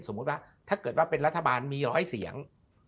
สมมุติว่าถ้าเกิดว่าเป็นรัฐบาลมี๑๐๐เสียง